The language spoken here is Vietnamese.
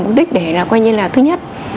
mục đích để là coi như là thứ nhất